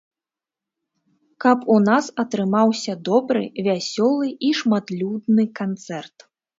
Каб у нас атрымаўся добры, вясёлы і шматлюдны канцэрт.